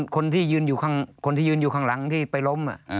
คนที่ยืนอยู่ข้างหลังที่ไปล้ม